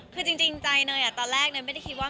คือจริงใจเนยตอนแรกเนยไม่ได้คิดว่า